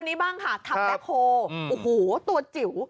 นี้บ้างค่ะคัมแบ็คโฮโอ้โหตัวจิ๋ว